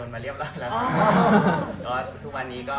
ได้มีการคุดคุยกันไหมครับ